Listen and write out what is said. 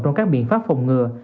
trong các biện pháp phòng ngừa